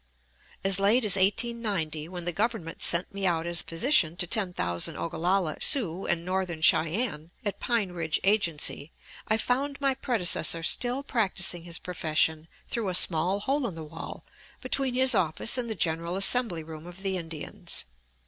As late as 1890, when the Government sent me out as physician to ten thousand Ogallalla Sioux and Northern Cheyennes at Pine Ridge Agency, I found my predecessor still practising his profession through a small hole in the wall between his office and the general assembly room of the Indians.